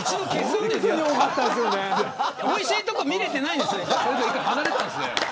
おいしいところ見れてないんですね。